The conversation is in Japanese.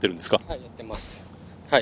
はい、やっています。